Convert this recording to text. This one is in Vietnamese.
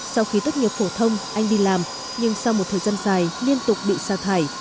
sau khi tốt nghiệp phổ thông anh đi làm nhưng sau một thời gian dài liên tục bị xa thải